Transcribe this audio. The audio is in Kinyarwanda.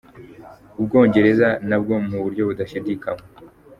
U Bwongereza, nabwo mu buryo budashidikanywa.